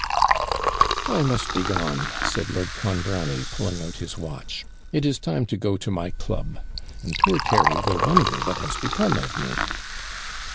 'I must be gone!' said Lord Clonbrony, pulling out his watch. 'It is time to go to my club; and poor Terry will wonder what has become of me.'